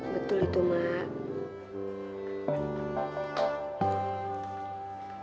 betul itu emak